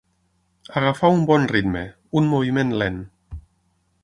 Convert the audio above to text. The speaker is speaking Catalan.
Agafar un bon ritme, un moviment lent.